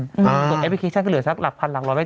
ตรงแอปพลิเคชันก็เหลือสัก๑๐๐๐๑๐๐บาทไปจากขนาดนี้